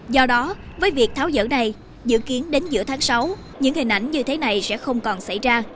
do đó với việc tháo dỡ này dự kiến đến giữa tháng sáu những hình ảnh như thế này sẽ không còn xảy ra